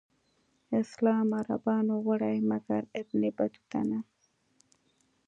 اسلام عربانو وړی مګر ابن بطوطه نه.